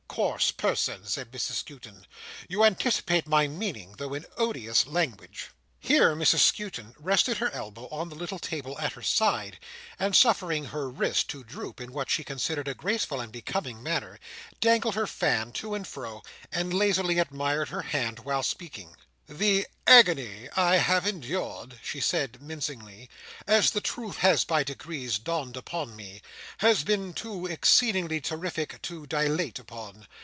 "Coarse person!" said Mrs Skewton, "you anticipate my meaning, though in odious language." Here Mrs Skewton rested her elbow on the little table at her side, and suffering her wrist to droop in what she considered a graceful and becoming manner, dangled her fan to and fro, and lazily admired her hand while speaking. "The agony I have endured," she said mincingly, "as the truth has by degrees dawned upon me, has been too exceedingly terrific to dilate upon.